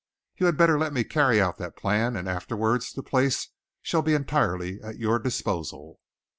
You had better let me carry out that plan, and afterwards the place shall be entirely at your disposal."